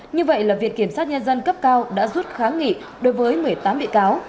như vậy là viện kiểm sát nhân dân cấp cao đã rút kháng nghị đối với một mươi tám bị cáo